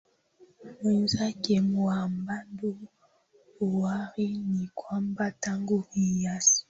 mwenzake Muhammadu Buhari Ni kwamba tangu uasi